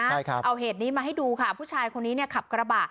ใช่ครับเอาเหตุนี้มาให้ดูค่ะผู้ชายคนนี้เนี่ยขับกระบะ